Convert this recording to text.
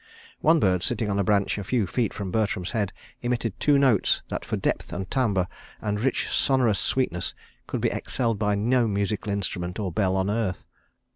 One bird, sitting on a branch a few feet from Bertram's head, emitted two notes that for depth of timbre and rich sonorous sweetness could be excelled by no musical instrument or bell on earth.